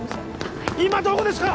今どこですか？